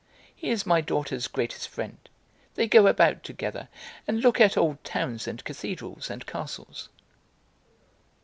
He is my daughter's greatest friend. They go about together, and look at old towns and cathedrals and castles."